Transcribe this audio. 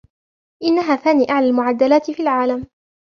إنها ثاني أعلى المُعدَلات في العالم.